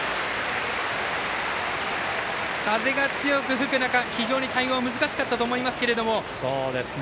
風が強く吹く中非常に対応が難しかったと思いますけれども。